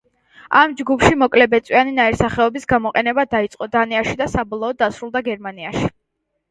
ამ ჯგუფის მოკლებეწვიანი ნაირსახეობის გამოყვანა დაიწყო დანიაში და საბოლოოდ დასრულდა გერმანიაში.